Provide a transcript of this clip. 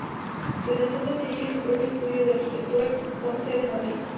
Desde entonces dirige su propio estudio de arquitectura, con sede en Madrid.